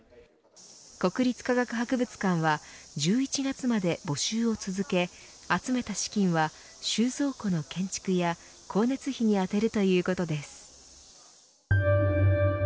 国立科学博物館は１１月まで募集を続け集めた資金は、収蔵庫の建築や光熱費に充てるということです。